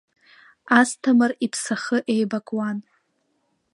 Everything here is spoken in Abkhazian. Асҭамыр иԥсахы еибакуан.